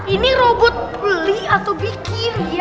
ini robot beli atau bikin